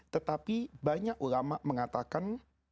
tetapi banyak ulama mengatakan